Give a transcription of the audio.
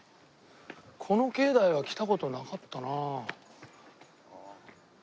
この境内は来た事なかったな。